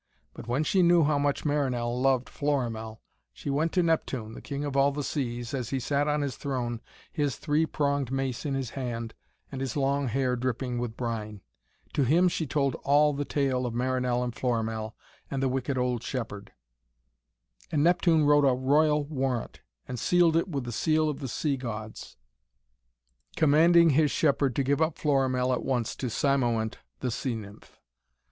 But when she knew how much Marinell loved Florimell, she went to Neptune, the King of all the Seas, as he sat on his throne, his three pronged mace in his hand, and his long hair dripping with brine. To him she told all the tale of Marinell and Florimell and the wicked old shepherd. And Neptune wrote a royal warrant, and sealed it with the seal of the Sea Gods, commanding his shepherd to give up Florimell at once to Cymoënt the sea nymph.